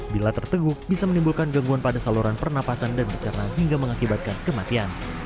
bila terteguk bisa menimbulkan gangguan pada saluran pernafasan dan bercerna hingga mengakibatkan kematian